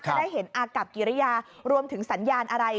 ได้เห็นอากับกิริยารวมถึงสัญญาณอะไร